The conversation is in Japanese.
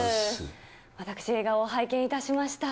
私、映画を拝見いたしました。